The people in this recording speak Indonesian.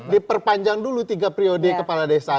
diperpanjang dulu tiga periode kepala desa